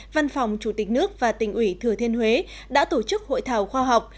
văn phòng chủ tịch nước và tỉnh ủy thừa thiên huế đã tổ chức hội thảo khoa học